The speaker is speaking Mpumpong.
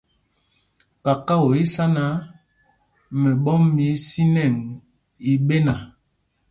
Kakao í í sá náǎ, mɛɓɔ́m mɛ ísinɛŋ i ɓéna.